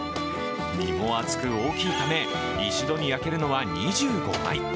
身も厚く大きいため、一度に焼けるのは２５枚。